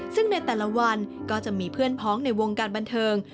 ซึ่งในแต่ละวันก็จะมีเพื่อนพ้องในวงการบันเทิง